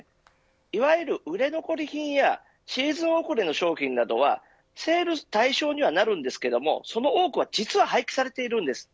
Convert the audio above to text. いわゆる売れ残り品やシーズン遅れの商品などはセールの対象にはなるんですけれどもその多くは実は廃棄されているんです。